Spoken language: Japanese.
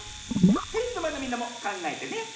テレビのまえのみんなもかんがえてね。